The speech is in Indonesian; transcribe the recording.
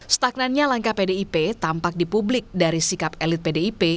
stagnannya langkah pdip tampak di publik dari sikap elit pdip